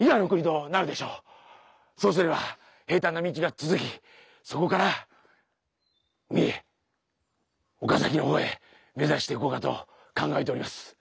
そうすれば平たんな道が続きそこから三重岡崎の方へ目指していこうかと考えております。